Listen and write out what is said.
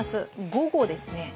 午後ですね。